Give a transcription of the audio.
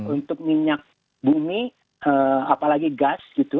untuk minyak bumi apalagi gas gitu